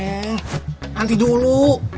eh nanti dulu